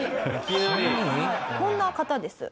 こんな方です。